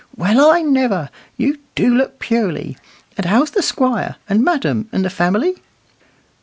Well, I never! You do look purely. And how's the Squire, and madam, and the family?"